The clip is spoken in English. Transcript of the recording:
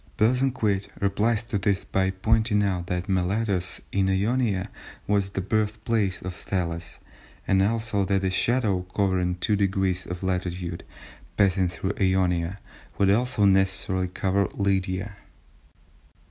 Bosanquet replies to this by pointing out that Miletus, in Ionia, was the birthplace of Thales, and also that a shadow, covering two degrees of latitude, passing through Ionia, would also necessarily cover Lydia.